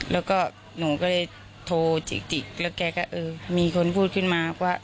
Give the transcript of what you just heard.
แล้วก็หนูก็เลยโทรจิกแล้วแกก็เออมีคนพูดขึ้นมาว่า